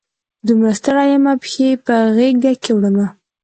دومره ستړي یمه، پښې په غیږ کې وړمه